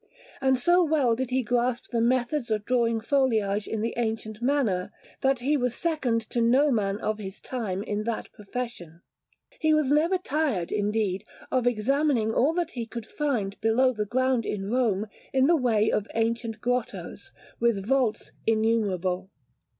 And so well did he grasp the methods of drawing foliage in the ancient manner, that he was second to no man of his time in that profession. He was never tired, indeed, of examining all that he could find below the ground in Rome in the way of ancient grottoes, with vaults innumerable.